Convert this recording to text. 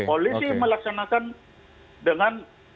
polri melaksanakan dengan pidana